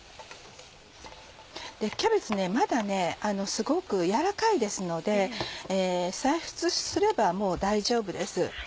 キャベツまだすごく柔らかいですので再沸すればもう大丈夫です。